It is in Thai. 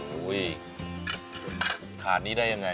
ถูยยยขาดนี้ได้ยังไง